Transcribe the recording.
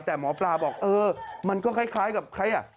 แต่หมอปลาบอกเออมันก็คล้ายกับใครอ่ะ